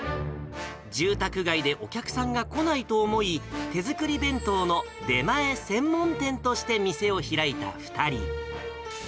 住宅街でお客さんが来ないと思い、手作り弁当の出前専門店として店を開いた２人。